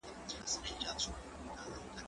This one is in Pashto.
زه د زده کړو تمرين کړی دی،